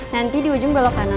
nanti di ujung belok kanan